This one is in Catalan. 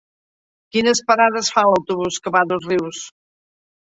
Quines parades fa l'autobús que va a Dosrius?